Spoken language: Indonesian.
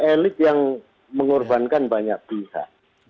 elit yang mengorbankan banyak pihak